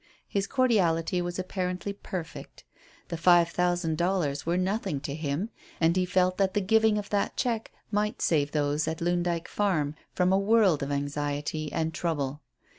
His cordiality was apparently perfect. The five thousand dollars were nothing to him, and he felt that the giving of that cheque might save those at Loon Dyke Farm from a world of anxiety and trouble.